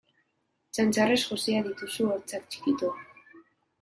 Txantxarrez josia dituzu hortzak txikito!